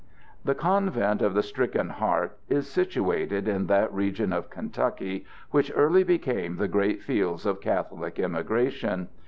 The Convent of the Stricken Heart is situated in that region of Kentucky which early became the great field of Catholic immigration.